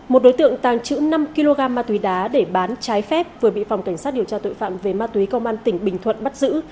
một đối tượng tàng trữ năm kg ma túy đá để bán trái phép vừa bị phòng cảnh sát điều tra tội phạm về ma túy công an tỉnh bình thuận bắt giữ